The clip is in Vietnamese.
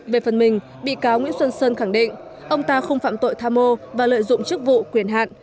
về phần mình bị cáo nguyễn xuân sơn khẳng định ông ta không phạm tội tham mô và lợi dụng chức vụ quyền hạn